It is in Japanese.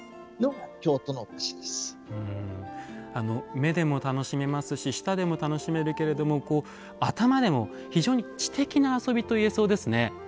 目でも楽しめますし舌でも楽しめるけれども頭でも非常に知的な遊びと言えそうですね。